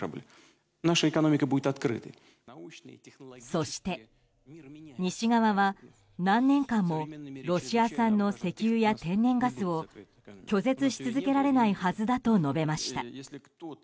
そして、西側は何年間もロシア産の石油や天然ガスを拒絶し続けられないはずだと述べました。